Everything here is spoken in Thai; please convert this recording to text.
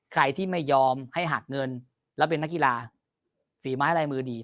ใครที่ไม่ยอมให้หักเงินแล้วเป็นนักกีฬาฝีไม้ลายมือดี